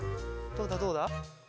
どうだどうだ？